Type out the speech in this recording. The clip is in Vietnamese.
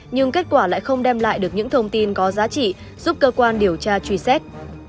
nhưng kết quả lại không đem lại được những thông tin có giá trị giúp cơ quan điều tra truy xét